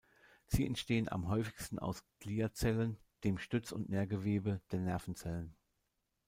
Sie entstehen am häufigsten aus Gliazellen, dem Stütz- und Nährgewebe der Nervenzellen.